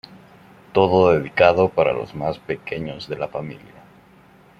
Todo dedicado para los más pequeños de la familia.